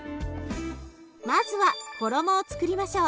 まずは衣をつくりましょう。